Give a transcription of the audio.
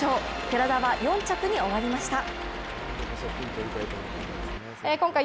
寺田は４着に終わりました。